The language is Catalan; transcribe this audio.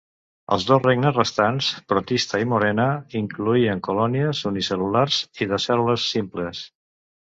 Els dos regnes restants, Protista i Monera, incloïen colònies unicel·lulars i de cèl·lules simples.